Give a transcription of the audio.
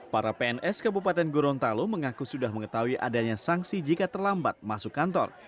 para pns kabupaten gorontalo mengaku sudah mengetahui adanya sanksi jika terlambat masuk kantor